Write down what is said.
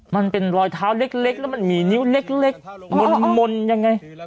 มันเป็นรอยเท้าเล็กแล้วมันมีนิ้วเล็กมนต์ยังไง